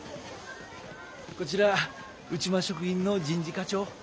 こちら内間食品の人事課長。